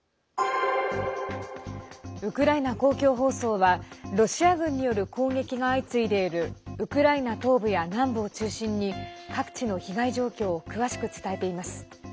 ウクライナ公共放送はロシア軍による攻撃が相次いでいるウクライナ東部や南部を中心に各地の被害状況を詳しく伝えています。